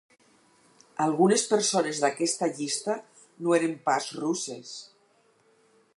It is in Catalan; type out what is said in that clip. Algunes persones d'aquesta llista no eren pas russes.